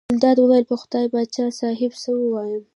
ګلداد وویل: په خدای پاچا صاحب څه ووایم.